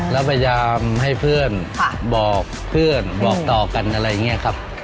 แล้วพยายามให้เพื่อนบอกเพื่อนบอกต่อกันอะไรอย่างนี้ครับ